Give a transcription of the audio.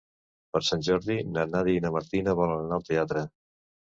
Per Sant Jordi na Nàdia i na Martina volen anar al teatre.